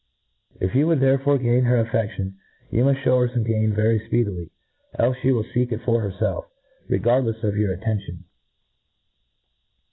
If you would there fore gain her aflfeftion, you mufllhew her game very fpeedily, elfe fhe will feek it for herfetf, re • gardlefs of your attention.